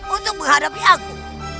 untuk menghadapi aku